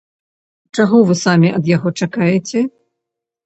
Чаго вы самі ад яго чакаеце?